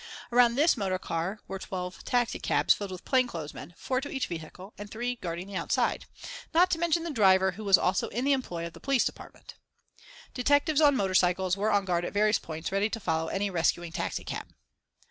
Around this motor car were twelve taxi cabs filled with plain clothes men, four to each vehicle, and three guarding the outside, not to mention the driver, who was also in the employ of the police department. Detectives on motor cycles were on guard at various points ready to follow any rescuing taxicab.